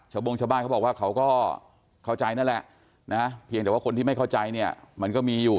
บงชาวบ้านเขาบอกว่าเขาก็เข้าใจนั่นแหละนะเพียงแต่ว่าคนที่ไม่เข้าใจเนี่ยมันก็มีอยู่